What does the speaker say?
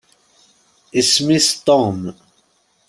Isem-is Tom.